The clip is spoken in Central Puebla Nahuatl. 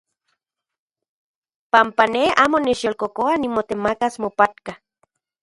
Panpa ne amo nechyolkokoa nimotemakas mopatka.